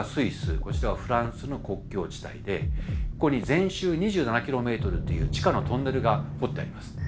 こちらはフランスの国境地帯でここに全周２７ｋｍという地下のトンネルが掘ってあります。